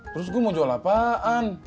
terus gue mau jual apaan